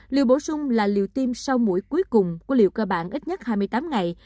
liều bổ sung là liều tiêm sau mũi cuối cùng của liều cơ bản ít nhất hai mươi tám ngày